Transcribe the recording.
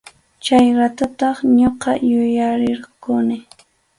Chay ratutaq ñuqa yuyarirquni.